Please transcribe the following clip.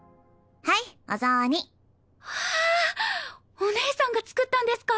お姉さんが作ったんですか？